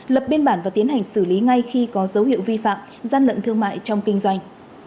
lập biên bản và tiến hành xử lý ngay khi có dấu hiệu vi phạm gian lận thương mại trong kinh doanh